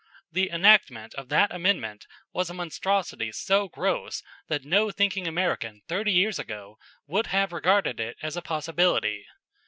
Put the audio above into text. The enactment of that Amendment was a monstrosity so gross that no thinking American thirty years ago would have regarded it as a possibility.